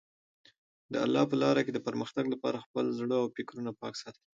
د الله په لاره کې د پرمختګ لپاره خپل زړه او فکرونه پاک ساتل.